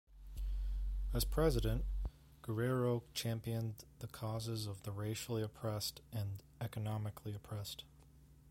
As president, Guerrero championed the causes of the racially oppressed and economically oppressed.